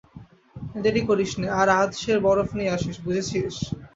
দেরি করিস নে, আর আধ সের বরফ নিয়ে আসিস, বুঝেছিস?